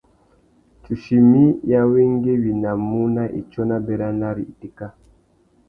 Tsuchimi i awéngüéwinamú nà itsôna béranari itéka.